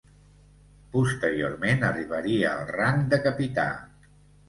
Posteriorment arribaria al rang de Capità.